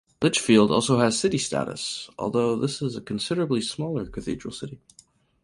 Lichfield also has city status, although this is a considerably smaller cathedral city.